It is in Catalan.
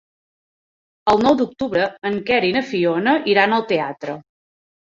El nou d'octubre en Quer i na Fiona iran al teatre.